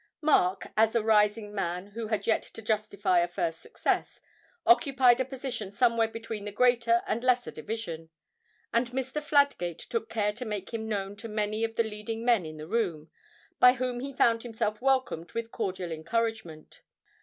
Mark, as a rising man who had yet to justify a first success, occupied a position somewhere between the greater and lesser division, and Mr. Fladgate took care to make him known to many of the leading men in the room, by whom he found himself welcomed with cordial encouragement.